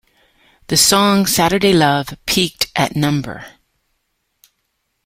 The song "Saturday Love" peaked at No.